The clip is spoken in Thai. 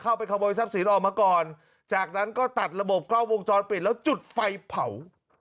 เข้าไปขโมยทรัพย์สินออกมาก่อนจากนั้นก็ตัดระบบกล้องวงจรปิดแล้วจุดไฟเผา